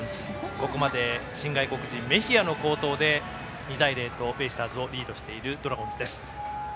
ここまで新外国人メヒアの好投で２対０とベイスターズをリードしているドラゴンズです。